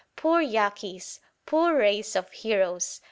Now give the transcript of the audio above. "Poor Yaquis! poor race of heroes!